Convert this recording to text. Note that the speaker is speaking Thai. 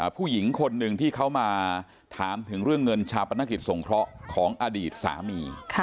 ผู้หญิงคนหนึ่งที่เขามาถามถึงเรื่องเงินชาปนกิจสงเคราะห์ของอดีตสามี